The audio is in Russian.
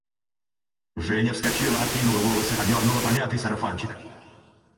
Женя вскочила, откинула волосы, одернула помятый сарафанчик